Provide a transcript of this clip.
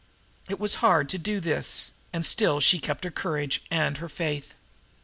It was hard to do this and and still keep her courage and her faith.